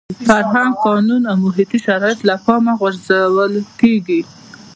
فرهنګ، قانون او محیطي شرایط له پامه غورځول کېږي.